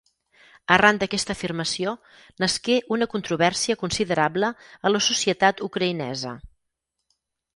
Arran d'aquesta afirmació, nasqué una controvèrsia considerable a la societat ucraïnesa.